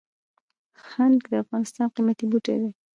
هنګ د افغانستان قیمتي بوټی دی